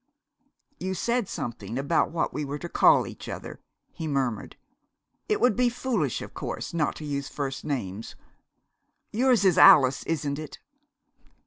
"You said something about what we were to call each other," he murmured. "It would be foolish, of course, not to use first names. Yours is Alice, isn't it?"